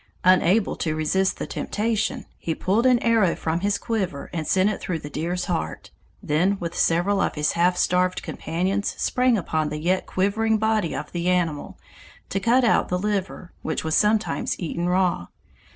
Unable to resist the temptation, he pulled an arrow from his quiver and sent it through the deer's heart, then with several of his half starved companions sprang upon the yet quivering body of the animal to cut out the liver, which was sometimes eaten raw.